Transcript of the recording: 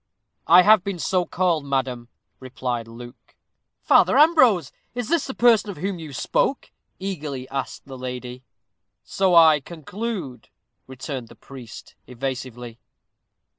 "I have been so called, madam," replied Luke. "Father Ambrose, is this the person of whom you spoke?" eagerly asked the lady. "So I conclude," returned the priest, evasively.